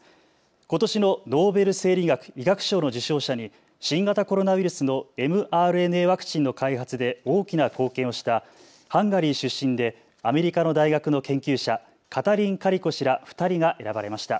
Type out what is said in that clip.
ことしのノーベル生理学・医学賞の受賞者に新型コロナウイルスのｍＲＮＡワクチンの開発で大きな貢献をしたハンガリー出身でアメリカの大学の研究者、カタリン・カリコ氏ら２人が選ばれました。